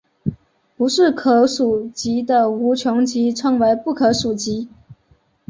不是可数集的无穷集称为不可数集。